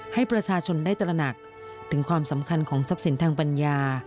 ให้ประชาชนได้ตระหนักถึงความสำคัญของทรัพย์สินทางปัญญา